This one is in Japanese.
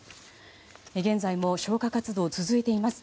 現在も消火活動続いています。